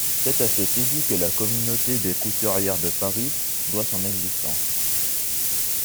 C'est à cet édit que la communauté des couturières de Paris doit son existence.